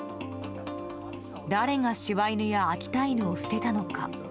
誰が柴犬や秋田犬を捨てたのか。